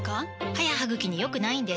歯や歯ぐきに良くないんです